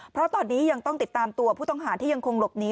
เพราะตอนนี้ยังต้องติดตามตัวผู้ต้องหาที่ยังคงหลบหนี